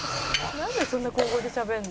「なんでそんな小声でしゃべるの？」